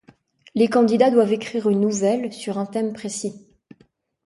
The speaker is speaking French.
Les candidats doivent écrire une nouvelle, sur un thème précis.